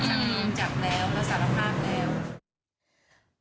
จับแล้วประสาทภาพแล้ว